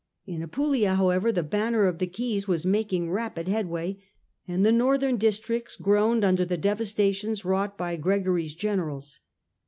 In Apulia, however, the Banner of the Keys was making rapid headway and the northern districts groaned under the devastations wrought by Gregory's generals.